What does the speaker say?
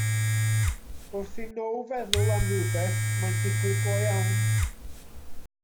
Wrth i Now feddwl am rywbeth, mae'n digwydd go iawn.